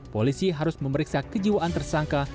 polisi harus memeriksa kejiwaan tersangka